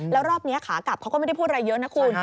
แล้วรอบนี้ขากลับเขาก็ไม่ได้พูดอะไรเยอะนะคุณ